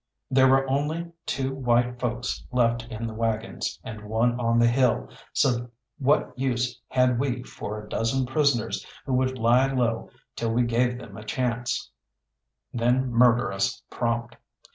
There were only two white folks left in the waggons, and one on the hill, so what use had we for a dozen prisoners who would lie low till we gave them a chance, then murder us prompt.